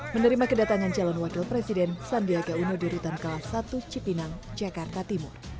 menerima kedatangan calon wakil presiden sandiaga uno di rutan kelas satu cipinang jakarta timur